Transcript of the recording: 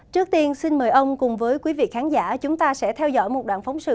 trước tiên xin mời ông cùng với quý vị khán giả chúng ta sẽ theo dõi một đoạn phóng sự